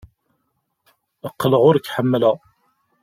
Qqleɣ ur k-ḥemmleɣ.